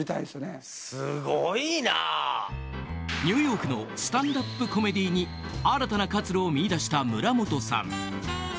ニューヨークのスタンダップコメディーに新たな活路を見いだした村本さん。